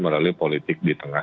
melalui politik di tengah